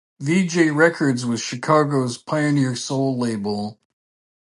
Vee-Jay Records was Chicago's pioneer soul label.